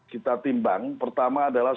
kita timbang pertama adalah